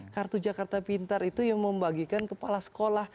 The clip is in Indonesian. kartu jakarta pintar itu yang membagikan kepala sekolah